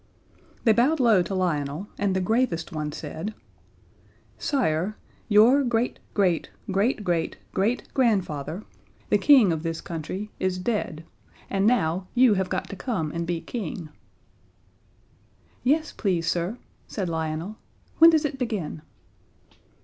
They bowed low to Lionel, and the gravest one said: "Sire, your great great great great great grandfather, the King of this country, is dead, and now you have got to come and be King." "Yes, please, sir," said Lionel, "when does it begin?"